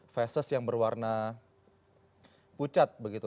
fesis yang berwarna pucat begitu